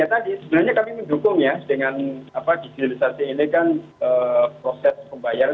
ya tadi sebenarnya kami mendukung ya dengan apa di jurnalisasi ini kan proses pembayaran